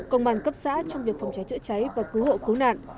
công an cấp xã trong việc phòng cháy chữa cháy và cứu hộ cứu nạn